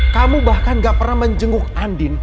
kamu bahkan gak pernah menjenguk andin